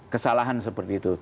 kesalahan seperti itu